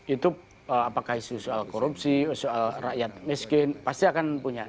itu apakah isu soal korupsi soal rakyat miskin pasti akan punya